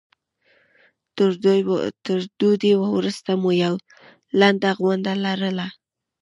تر ډوډۍ وروسته مو یوه لنډه غونډه لرله.